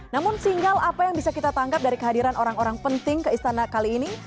namun sinyal apa yang bisa kita tangkap dari kehadiran orang orang penting ke istana kali ini